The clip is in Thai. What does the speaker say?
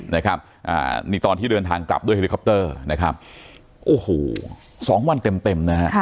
นี่ตอนที่เดินทางกลับด้วยเฮอร์คอปเตอร์โอ้โหสองวันเต็ม